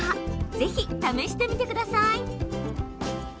ぜひ、試してみてください。